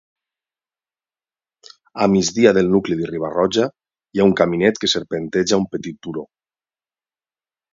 A migdia del nucli de Riba-Roja hi ha un caminet que serpenteja un petit turó.